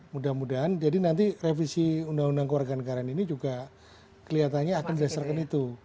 mudah mudahan jadi nanti revisi undang undang keluarga negaraan ini juga kelihatannya akan berdasarkan itu